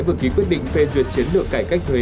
vừa ký quyết định phê duyệt chiến lược cải cách thuế